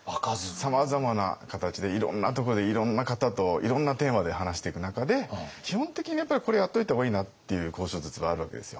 さまざまな形でいろんなところでいろんな方といろんなテーマで話していく中で基本的にやっぱりこれはやっておいた方がいいなっていう交渉術はあるわけですよ。